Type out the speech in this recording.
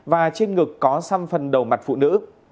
và trên ngực có xăm phần đầu mặt phụ nữ